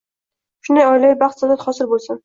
Sunday oilaviy baxt saodat hosil bo‘lsin.